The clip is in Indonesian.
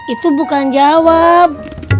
itu bukan jawab